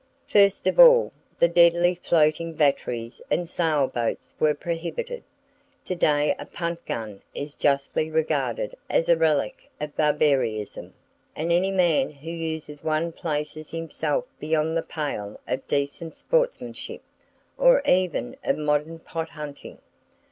First of all, the deadly floating batteries and sail boats were prohibited. To day a punt gun is justly regarded as a relic of barbarism, and any man who uses one places himself beyond the pale of decent sportsmanship, or even of modern pot hunting.